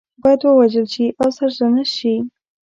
باید ووژل شي او سرزنش شي.